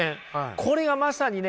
これがまさにね